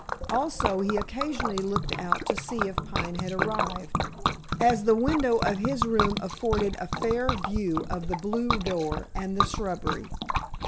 Also he occasionally looked out to see if Pine had arrived, as the window of his room afforded a fair view of the blue door and the shrubbery.